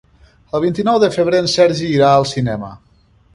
El vint-i-nou de febrer en Sergi irà al cinema.